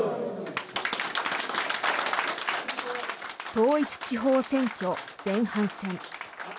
統一地方選挙前半戦。